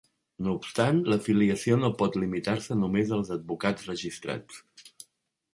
No obstant, l'afiliació no pot limitar-se només als advocats registrats.